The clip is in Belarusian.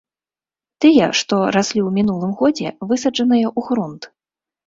Тыя, што раслі ў мінулым годзе, высаджаныя ў грунт.